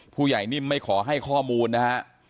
ผู้ใหญ่นิ่มไม่ขอให้ข้อมูลนะฮะ